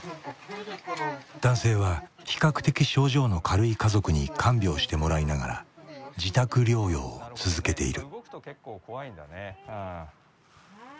男性は比較的症状の軽い家族に看病してもらいながら自宅療養を続けている。